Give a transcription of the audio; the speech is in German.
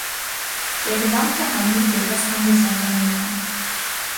Der gesamte Handel gilt als Handelsunternehmen.